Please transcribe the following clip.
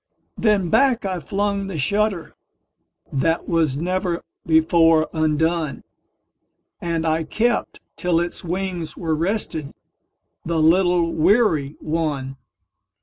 Then back I flung the shutterThat was never before undone, And I kept till its wings were restedThe little weary one.